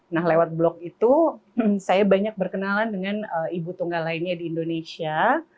nah lewat blog itu saya banyak berkenalan dengan ibu tunggal lainnya di indonesia